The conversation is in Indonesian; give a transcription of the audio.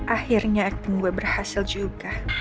akhirnya acting gue berhasil juga